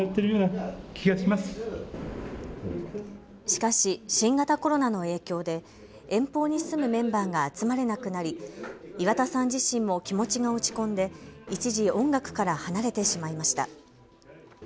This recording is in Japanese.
しかし、新型コロナの影響で遠方に住むメンバーが集まれなくなり、岩田さん自身も気持ちが落ち込んで一時音楽から離れてしまいました。